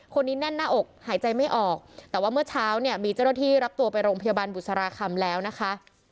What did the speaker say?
คนนี้แน่นหน้าอกหายใจไม่ออกแต่ว่าเมื่อเช้าเนี่ยมีเจ้าหน้าที่รับตัวไปโรงพยาบาลบุษราคำแล้วนะคะ